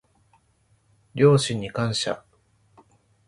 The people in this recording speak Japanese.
両親に感謝